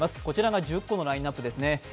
こちらが１０個のラインナップですね。